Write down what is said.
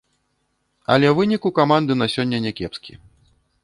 Але вынік у каманды на сёння някепскі.